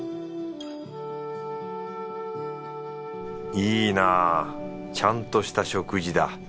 いいなぁちゃんとした食事だ。